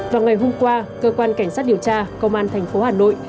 vào ngày hôm qua cơ quan cảnh sát điều tra công an tp hà nội